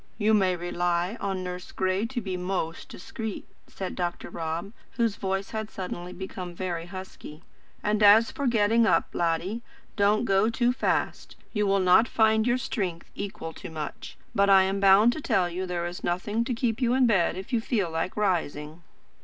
"You may rely on Nurse Gray to be most discreet," said Dr. Rob; whose voice had suddenly become very husky. "And as for getting up, laddie, don't go too fast. You will not find your strength equal to much. But I am bound to tell you there is nothing to keep you in bed if you feel like rising."